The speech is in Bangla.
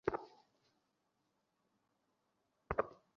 এই আসলাম ভদ্রতার সাথে কথা বল, এটা ম্যাডাম!